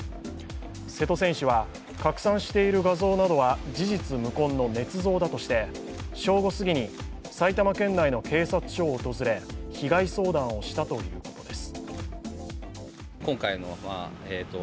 瀬戸選手は拡散している画像などは事実無根のねつ造だとして正午過ぎに埼玉県内の警察署を訪れ被害相談をしたということです。